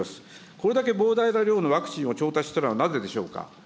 これだけ膨大な量のワクチンを調達したのはなぜでしょうか。